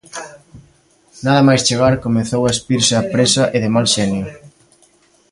Nada máis chegar, comezou a espirse á présa e de mal xenio.